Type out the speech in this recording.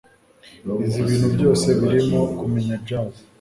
izi ibintu byose biriho kumenya jazz